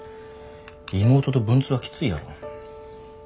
妹と文通はきついやろ。